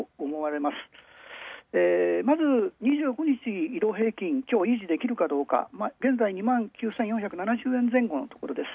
まず２５日移動平均、今日維持できるかどうか現在２万９４７０円前後のところです。